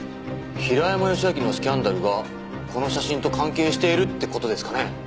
平山義昭のスキャンダルがこの写真と関係しているって事ですかね？